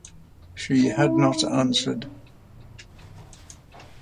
She had not answered.